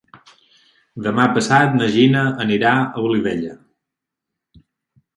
Demà passat na Gina anirà a Olivella.